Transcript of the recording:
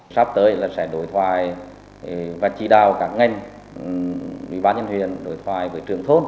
sắp tới là sẽ đối thoại và chỉ đạo các ngành ủy ban nhân huyện đối thoại với trường thôn